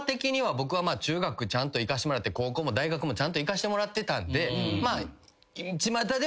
僕は中学ちゃんと行かせてもらって高校も大学もちゃんと行かせてもらってたんで。